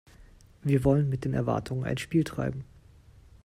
Wir wollen mit den Erwartungen ein Spiel treiben“.